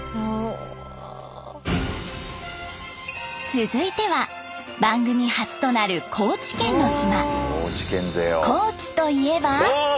続いては番組初となる高知県の島。